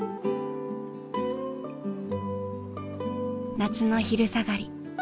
夏の昼下がり。